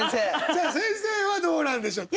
じゃあ先生はどうなんでしょう。